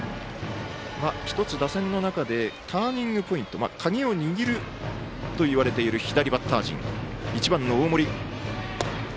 １つ打線の中でターニングポイント鍵を握るといわれてる左バッター陣、１番の大森。